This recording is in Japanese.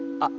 あっ。